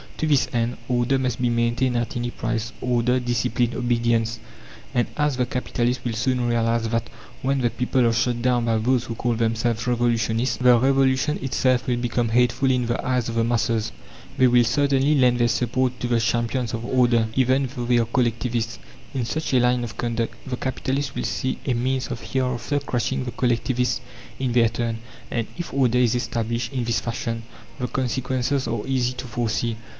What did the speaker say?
To this end "order" must be maintained at any price order, discipline, obedience! And as the capitalists will soon realize that when the people are shot down by those who call themselves Revolutionists, the Revolution itself will become hateful in the eyes of the masses, they will certainly lend their support to the champions of order even though they are collectivists. In such a line of conduct, the capitalists will see a means of hereafter crushing the collectivists in their turn. And if "order is established" in this fashion, the consequences are easy to foresee.